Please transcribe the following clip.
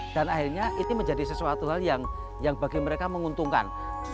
dan akhirnya itu menjadi sesuatu yang bagi mereka menguntungkan